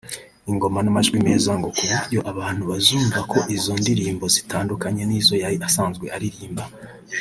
ingoma n’amajwi meza ngo ku buryo abantu bazumva ko izo ndirimbo zitandukanye n’izo yari asanzwe aririmba